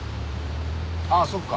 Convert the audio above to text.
ああそっか。